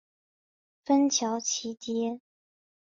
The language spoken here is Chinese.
芬乔奇街。